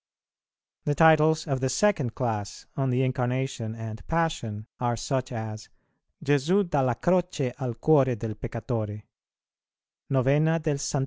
The titles of the second class on the Incarnation and Passion are such as "Gesu dalla Croce al cuore del peccatore;" "Novena del Ss.